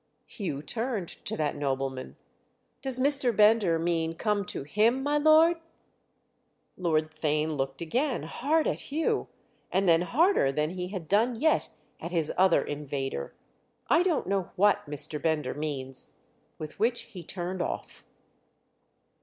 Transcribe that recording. Hugh turned to that nobleman. "Does Mr. Bender mean come to him, my lord?" Lord Theign looked again hard at Hugh, and then harder than he had done yet at his other invader. "I don't know what Mr. Bender means!" With which he turned off.